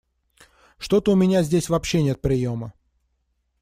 Что-то у меня здесь вообще нет приема.